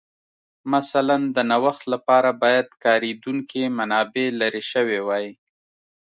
مثلاً د نوښت لپاره باید کارېدونکې منابع لرې شوې وای